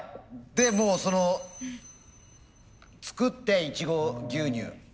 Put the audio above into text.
でもうその作ってイチゴ牛乳。